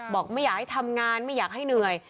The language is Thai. ไม่อยากให้ทำงานไม่อยากให้เหนื่อย